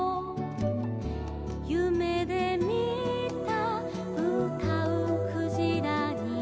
「ゆめでみたうたうクジラに」